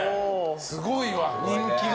すごいわ、人気が。